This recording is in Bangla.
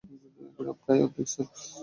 প্রায় অর্ধেক, স্যার।